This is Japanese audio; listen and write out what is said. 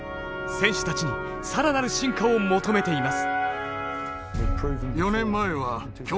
選手たちに更なる進化を求めています。